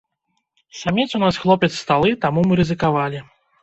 Самец у нас хлопец сталы, таму мы рызыкавалі.